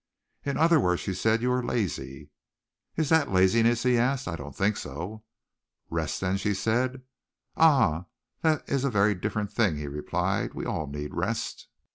"In other words," she said, "you are lazy!" "Is that laziness?" he asked. "I don't think so." "Rest, then," she said. "Ah! That is a very different thing!" he replied. "We all need rest."